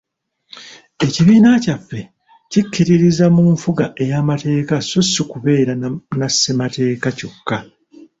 Ekibiina kyaffe kikkiririza mu nfuga ey'amateeka so si kubeera na Ssemateeka kyokka.